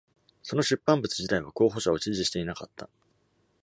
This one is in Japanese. その出版物自体は候補者を支持していなかった。